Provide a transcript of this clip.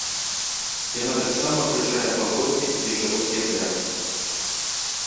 Яна таксама ўключае пагоркі і шырокія пляжы.